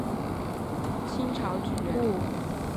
周廷励是清朝举人。